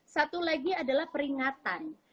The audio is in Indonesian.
satu lagi adalah peringatan